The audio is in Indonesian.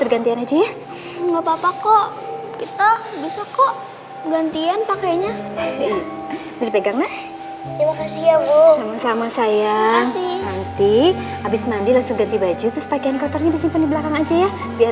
rumahnya sudah hangus terbakar